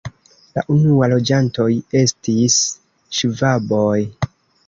La unuaj loĝantoj estis ŝvaboj.